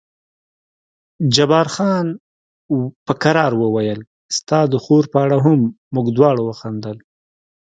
جبار خان په کرار وویل ستا د خور په اړه هم، موږ دواړو وخندل.